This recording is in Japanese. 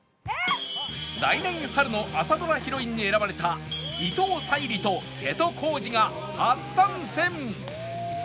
来年春の朝ドラヒロインに選ばれた伊藤沙莉と瀬戸康史が初参戦！